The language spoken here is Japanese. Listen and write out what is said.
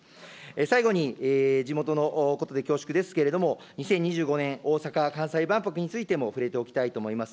最後に、地元のことで恐縮ですけれども、２０２５年大阪・関西万博についても、触れておきたいと思います。